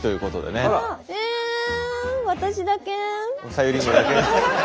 さゆりんごだけ。